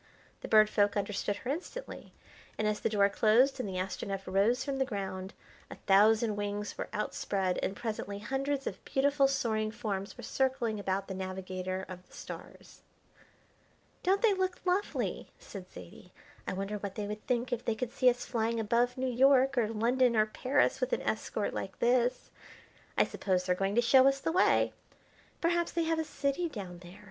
The Bird Folk understood her instantly, and as the door closed and the Astronef rose from the ground, a thousand wings were outspread and presently hundreds of beautiful soaring forms were circling about the Navigator of the Stars. "Don't they look lovely!" said Zaidie. "I wonder what they would think if they could see us flying above New York or London or Paris with an escort like this. I suppose they're going to show us the way. Perhaps they have a city down there.